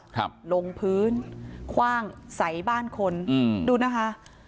ครับลงพื้นคว่างใส่บ้านคนอืมดูนะคะ